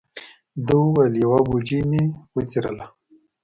ده و ویل: یوه بوجۍ مې وڅیرله.